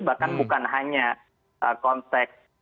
bahkan bukan hanya konsep